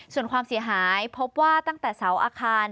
ส่วนความเสียหายพบว่าตั้งแต่เสาอาคาร